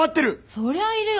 そりゃいるよ